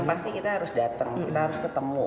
pasti kita harus datang kita harus ketemu